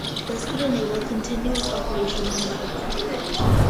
This would enable continuous operations on the battlefield.